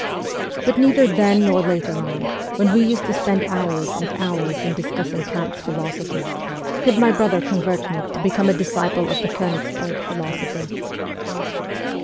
But neither then nor later on, when we used to spend hours and hours in discussing Kant's philosophy, could my brother convert me to become a disciple of the Konigsberg philosopher.